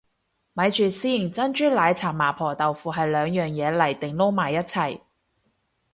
咪住先，珍珠奶茶麻婆豆腐係兩樣嘢嚟定撈埋一齊